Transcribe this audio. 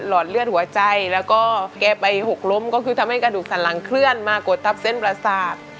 อดเลือดหัวใจแล้วก็แกไปหกล้มก็คือทำให้กระดูกสันหลังเคลื่อนมากดทับเส้นประสาท